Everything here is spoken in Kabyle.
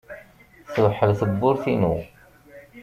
Tewḥel tewwurt-inu.